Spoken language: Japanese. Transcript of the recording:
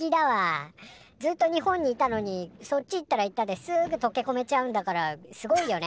ずっと日本にいたのにそっち行ったら行ったですぐとけこめちゃうんだからすごいよね。